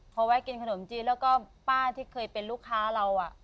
พอแวะกินขนมจีนแล้วก็ป้าที่เคยเป็นลูกค้าเรา